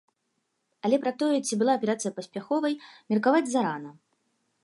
Але пра тое, ці была аперацыя паспяховай, меркаваць зарана.